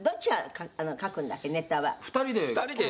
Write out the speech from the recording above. ２人で。